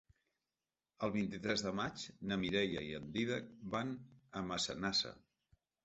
El vint-i-tres de maig na Mireia i en Dídac van a Massanassa.